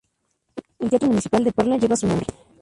El Teatro municipal de Parla lleva su nombre.